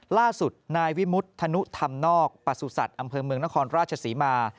ล่าสุดนายวิมุธนุธรรมนอกประสุทธิ์อำเภอเมืองนครราชศรีมา